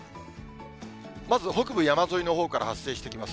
まず北部山沿いのほうから発生してきます。